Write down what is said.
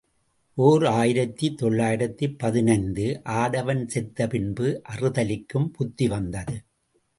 ஓர் ஆயிரத்து தொள்ளாயிரத்து பதினைந்து ஆடவன் செத்த பின்பு அறுதலிக்கும் புத்தி வந்தது.